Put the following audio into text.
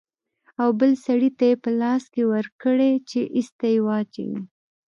او بل سړي ته يې په لاس کښې ورکړې چې ايسته يې واچوي.